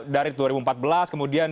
dari dua ribu empat belas kemudian